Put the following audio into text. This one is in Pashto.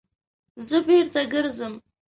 _زه بېرته ګرځم.